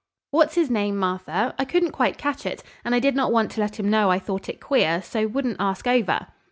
"What's his name, Martha? I couldn't quite catch it, and I did not want to let him know I thought it queer, so wouldn't ask over."